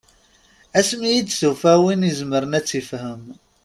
Asmi i d-tufa win i izemren ad tt-ifhem.